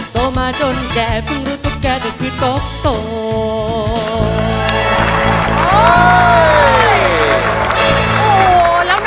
ต่อมาจนแกพึ่งรู้ตกแกก็คือตกโต